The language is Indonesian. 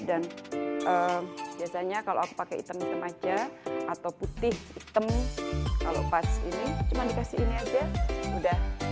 dan biasanya kalau aku pakai hitam hitam saja atau putih hitam kalau pas ini cuma dikasih ini saja sudah